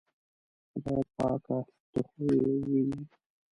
خدایه پاکه ته خو یې وینې.